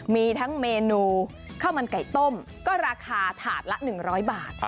มีทั้งเมนูข้าวมันไก่ต้มก็ราคาถาดละ๑๐๐บาท